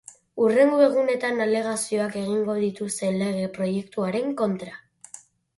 Hurrengo egunetan alegazioak egingo dituzte lege proiektuaren kontra.